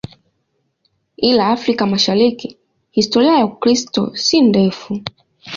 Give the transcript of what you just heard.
Ila Afrika Mashariki historia ya Ukristo si ndefu.